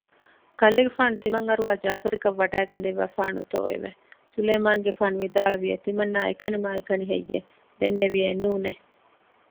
ކަލޭގެފާނު ތިމަން އަރުވާ ޖާފަތަކަށް ވަޑައިގެންދެއްވާފާނޫތޯއެވެ؟ ސުލައިމާނުގެފާނު ވިދާޅުވިއެވެ ތިމަންނާ އެކަނިމާއެކަނިހެއްޔެވެ؟ ދެންނެވިއެވެ ނޫނެއް